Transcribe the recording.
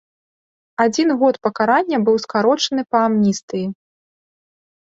Адзін год пакарання быў скарочаны па амністыі.